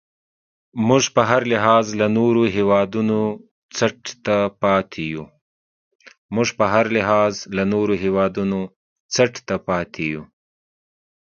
موږ په هر لحاظ له نورو هیوادونو څټ ته پاتې یو.